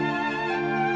saya udah nggak peduli